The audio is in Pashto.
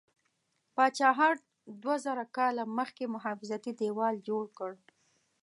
پاچا هرډ دوه زره کاله مخکې محافظتي دیوال جوړ کړ.